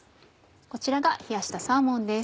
こちらが冷やしたサーモンです。